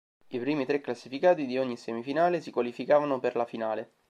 I primi tre classificati di ogni semifinale si qualificavano per la finale.